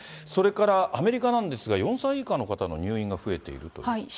それからアメリカなんですが、４歳以下の方の入院が増えていると。